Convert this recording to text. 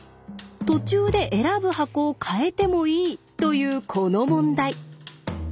途中で選ぶ箱を変えてもいいというこの問題。